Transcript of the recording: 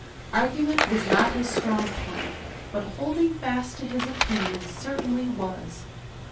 Argument was not his strong point, but holding fast to his opinion certainly was.